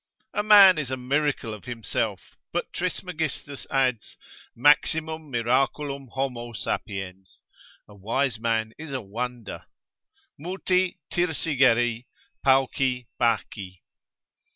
A man is a miracle of himself, but Trismegistus adds, Maximum miraculum homo sapiens, a wise man is a wonder: multi Thirsigeri, pauci Bacchi.